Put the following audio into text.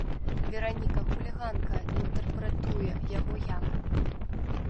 Вераніка-хуліганка інтэрпрэтуе яго як?